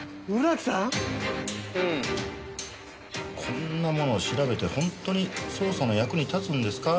こんなもの調べて本当に捜査の役に立つんですか？